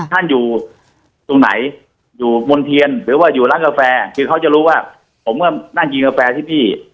ท่านอยู่ตรงไหนอยู่มณ์เทียนหรือว่าอยู่ร้านกาแฟคือเขาจะรู้ว่าผมก็นั่งกินกาแฟที่พี่